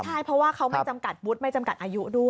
ใช่เพราะว่าเขาไม่จำกัดวุฒิไม่จำกัดอายุด้วย